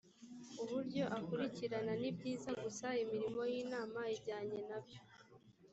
uburyo akurikirana nibyiza gusa imirimo y inama ijyanye nabyo